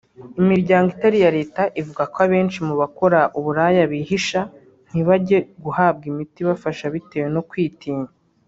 Imiryango itari iya leta ivuga ko abenshi mu bakora uburaya bihisha ntibajye guhabwa imiti ibafasha bitewe no kwitinya